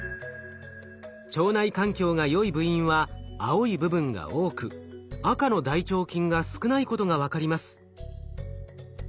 腸内環境がよい部員は青い部分が多く赤の大腸菌が少ないことが分かります。